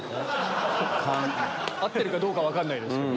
合ってるかどうか分かんないですけど。